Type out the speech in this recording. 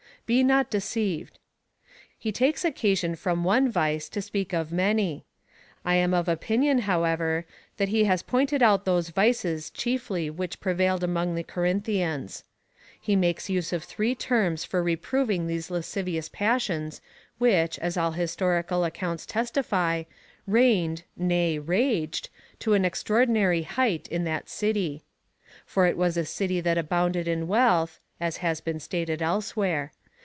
Be not deceived. He takes occasion from one vice to speak of many. I am of opinion, however, that he has pointed out those vices chiefly which prevailed among the Corinthians. He makes use of three terms for reproving those lascivious passions which, as all historical accounts testify, reigned, nay raged, to an extraordinary height in that city. For it was a city that abounded in wealth, (as has been stated elsewhere.)